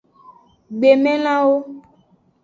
Gbemelanwo.